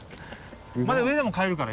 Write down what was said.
まだ上でも買えるから。